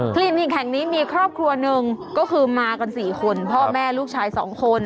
คลินิมหญิงแห่งนี้มีครอบครัวหนึ่งก็คือมากัน๔คนพ่อแม่ลูกชาย๒คน